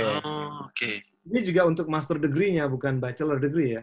ini juga untuk master degree nya bukan bachelor degree ya